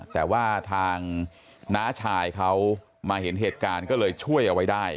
แต่ว่าทางน้าชายเขามาเห็นเหตุการณ์ก็เลยช่วยเอาไว้ได้